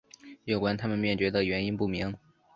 有关它们灭绝的原因不明。